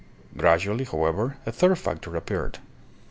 Gradually, however, a third factor appeared.